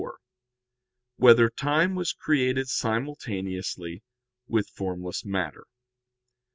66, Art. 4] Whether Time Was Created Simultaneously with Formless Matter?